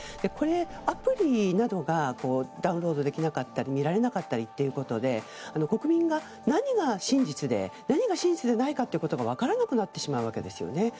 これ、アプリなどがダウンロードできなかったり見られなかったりということで国民が何が真実で何が真実でないかということが分からなくなってしまうわけですよね。